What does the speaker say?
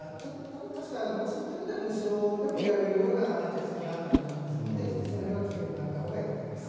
確か、私の記憶では無償でもやれるような手続きがあったと思いますのでその辺は聞いてもらったほうがいいと思います。